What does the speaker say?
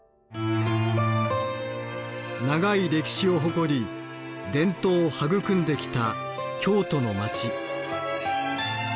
長い歴史を誇り伝統を育んできた京都の街。